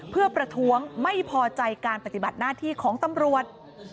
เพื่อประท้วงไม่พอใจการปฏิบัติหน้าที่ของตำรวจ